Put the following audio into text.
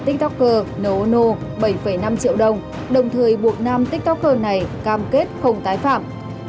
tiktoker no bảy năm triệu đồng đồng thời buộc nam tiktoker này cam kết không tái phạm